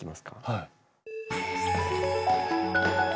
はい。